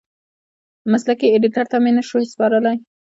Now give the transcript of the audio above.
مسلکي ایډېټر ته مې نشوای سپارلی.